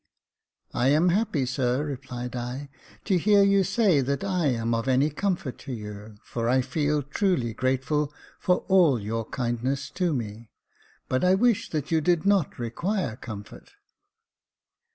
"" I am happy, sir," replied I, "to hear you say that I am of any comfort to you, for I feel truly grateful for all your kindness to me 5 but I wish that you did not require comfort."